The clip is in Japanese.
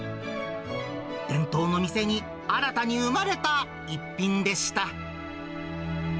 伝統の店に新たに生まれた一品でした。